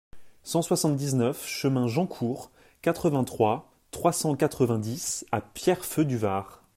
cent soixante-dix-neuf chemin Jean Court, quatre-vingt-trois, trois cent quatre-vingt-dix à Pierrefeu-du-Var